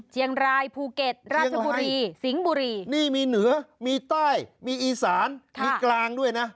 เชียงรายภูเก็ตราชบุรีสิงห์บุรีนี่มีเหนือมีใต้มีอีสานมีกลางด้วยนะ